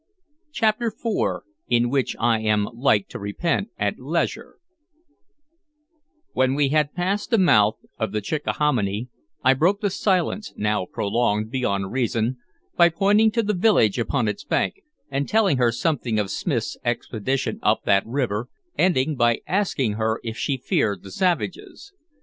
CHAPTER IV IN WHICH I AM LIKE TO REPENT AT LEISURE WHEN we had passed the mouth of the Chickahominy, I broke the silence, now prolonged beyond reason, by pointing to the village upon its bank, and telling her something of Smith's expedition up that river, ending by asking her if she feared the savages.